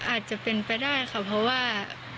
อาจจะเป็นไปได้ค่ะเพราะว่า